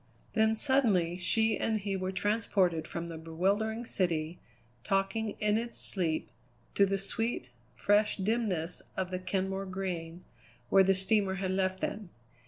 Then suddenly she and he were transported from the bewildering city, talking in its sleep, to the sweet, fresh dimness of the Kenmore Green, where the steamer had left them.